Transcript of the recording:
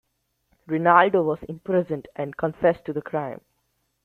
Rinaldo was imprisoned and confessed to the crime.